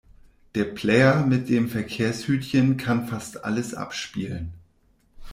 Der Player mit dem Verkehrshütchen kann fast alles abspielen.